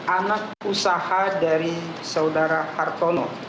anak usaha dari saudara hartono